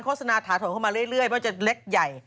โฆษณาถ่ายเข้ามาเรื่อยไม่ว่าจะเล็กใหญ่